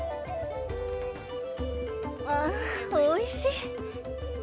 あおいしい。